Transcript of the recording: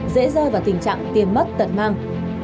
dễ rơi vào tình trạng tiền mất tận mang